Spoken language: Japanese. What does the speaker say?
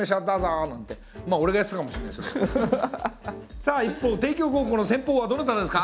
「さあ一方帝京高校の先鋒はどなたですか？」